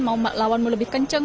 mau lawanmu lebih kenceng